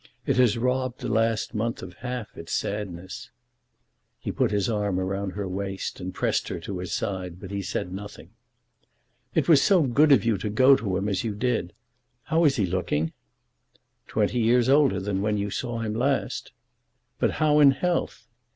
It has robbed the last month of half its sadness." He put his arm round her waist and pressed her to his side, but he said nothing. "It was so good of you to go to him as you did. How was he looking?" "Twenty years older than when you saw him last." "But how in health?"